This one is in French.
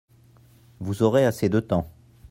Vous aurez assez de temps.